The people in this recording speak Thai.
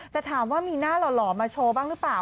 แต่ถามว่ามีหน้าหล่อมาโชว์บ้างหรือเปล่า